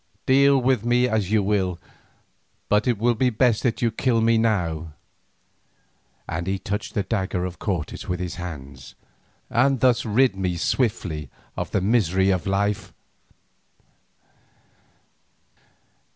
Deal with me as you will, but it will be best that you kill me now," and he touched the dagger of Cortes with his hand, "and thus rid me swiftly of the misery of life."